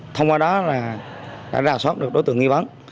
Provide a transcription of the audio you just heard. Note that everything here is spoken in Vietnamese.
thông qua đó là đã rào soát được đối tượng nghi vấn